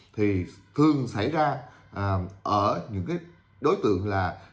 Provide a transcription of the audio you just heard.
thì thường xảy ra ở những đối tượng là